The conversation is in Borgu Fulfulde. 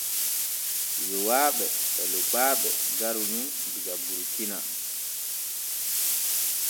Yowaaɓe e Lokpaaɓe garu nun diga Burkina.